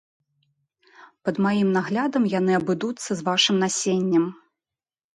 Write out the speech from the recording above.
Пад маім наглядам яны абыдуцца з вашым насеннем.